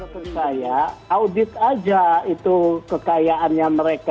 menurut saya audit aja itu kekayaannya mereka